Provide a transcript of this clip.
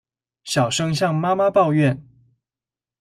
小聲向媽媽抱怨